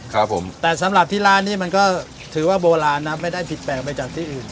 ครับผมแต่สำหรับที่ร้านนี้มันก็ถือว่าโบราณนะไม่ได้ผิดแปลกไปจากที่อื่น